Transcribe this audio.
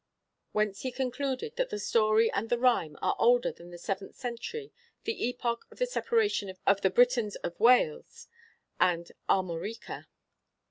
Whence he concluded that the story and the rhyme are older than the seventh century, the epoch of the separation of the Britons of Wales and Armorica.